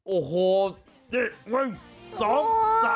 โอ้โหเห้ยมึง